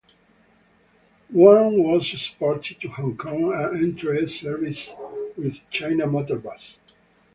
One was exported to Hong Kong and entered service with China Motor Bus.